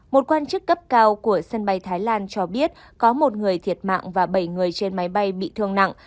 một quan chức cấp cao của sân bay thái lan cho biết có một người thiệt mạng và bảy người trên máy bay bị thương nặng